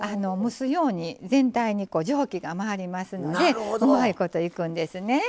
蒸すように全体に蒸気が回りますのでうまいこといくんですね。